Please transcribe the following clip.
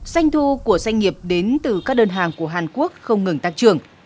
sanh thu của sanh nghiệp đến từ các đơn hàng của hàn quốc không ngừng tăng trưởng